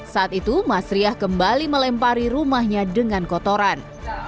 saat itu mas riah kembali melempari rumahnya dengan kotoran